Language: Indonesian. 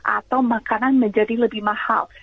atau makanan menjadi lebih mahal